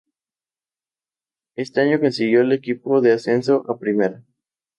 Ese año consiguió el equipo el ascenso a primera.